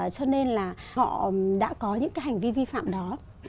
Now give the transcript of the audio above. cho nên là họ đã có những cái hành vi vi phạm đó